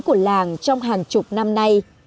của làng trong hàng chục năm nay